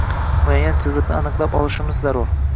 Muayyan chiziqni aniqlab olishimiz zarur.